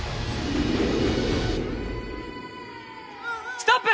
ストップ！